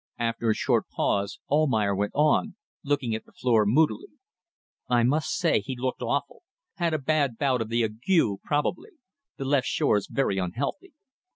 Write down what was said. After a short pause Almayer went on, looking at the floor moodily "I must say he looked awful. Had a bad bout of the ague probably. The left shore is very unhealthy.